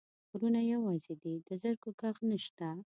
غرونه یوازي دي، د زرکو ږغ نشته